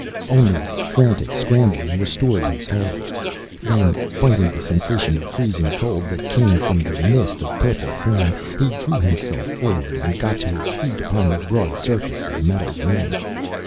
Only a frantic scrambling restored his hold. Then, fighting the sensation of freezing cold that came from the mist of purple flame, he drew himself forward and got to his feet upon the broad surface of the metal ring.